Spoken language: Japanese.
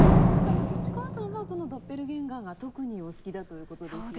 市川さんはこの『ドッペルゲンガー』が特にお好きだという事ですよね。